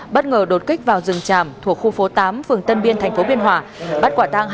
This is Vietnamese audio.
bất ngờ đột kích vào rừng chàm thuộc khu phố tám phương tân biên tp biên hòa